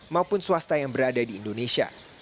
maupun swasta yang berada di indonesia